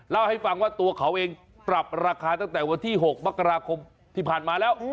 เล่าให้ฟังว่าตัวเขาเองปรับราคาตั้งแต่วันที่๖มกราคมที่ผ่านมาแล้ว